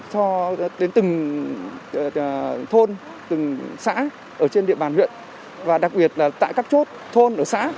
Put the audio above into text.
cho đến từng thôn từng xã ở trên địa bàn huyện và đặc biệt là tại các chốt thôn ở xã